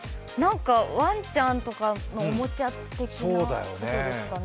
ワンちゃんとかのおもちゃ的なことですかね？